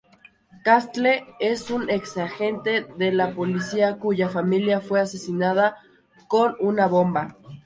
Castle es un ex-agente de la policía, cuya familia fue asesinada con una bomba.